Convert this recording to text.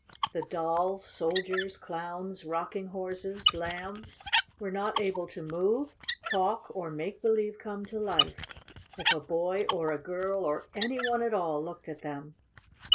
The Dolls, Soldiers, Clowns, Rocking Horses, Lambs were not able to move, talk, or make believe come to life if a boy or a girl or any one at all looked at them.